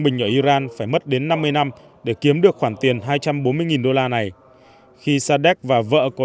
bình ở iran phải mất đến năm mươi năm để kiếm được khoản tiền hai trăm bốn mươi đô la này khi sadek và vợ có